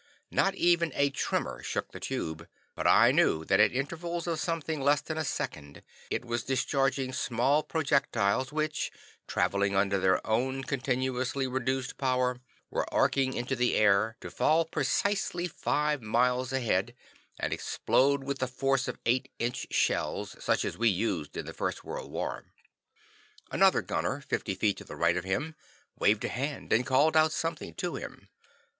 Not even a tremor shook the tube, but I knew that at intervals of something less than a second, it was discharging small projectiles which, traveling under their own continuously reduced power, were arching into the air, to fall precisely five miles ahead and explode with the force of eight inch shells, such as we used in the First World War. Another gunner, fifty feet to the right of him, waved a hand and called out something to him.